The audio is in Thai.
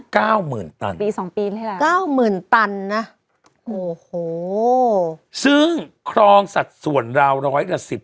เก้ามื่นตันซึ่งครองสัดส่วนราวร้อยละสิบ